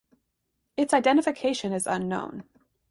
Its identification is unknown.